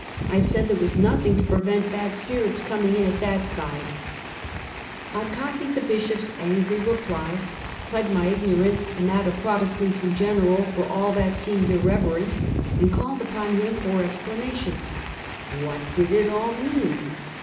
I said there was nothing to prevent bad spirits coming in at that side, r.^ ^ I copied the Bishop's angry reply, plead my ignor ance and that of Protestants in general for all that seemed irreverent, and called upon him for explana tions. What did it all rnean?